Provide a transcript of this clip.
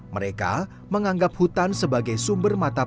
mereka menganggap hutan sebagai sumber makanan